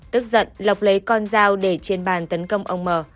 tức giận lộc lấy con dao để trên bàn tấn công ông mờ